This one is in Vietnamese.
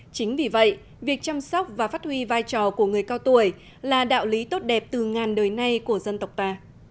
chính vì vậy việc chăm sóc và phát huy vai trò của người cao tuổi là đạo lý tốt đẹp từ ngàn đời nay của dân tộc ta